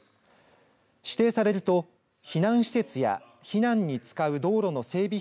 指定されると避難施設や避難に使う道路の整備